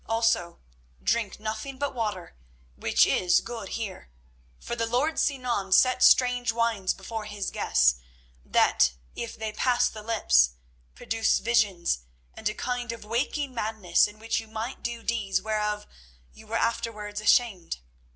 Also drink nothing but water, which is good here, for the lord Sinan sets strange wines before his guests, that, if they pass the lips, produce visions and a kind of waking madness in which you might do deeds whereof you were afterwards ashamed.